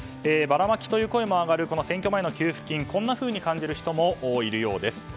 ばらまきという声も上がる選挙前の給付金こんなふうに感じる人もいるようです。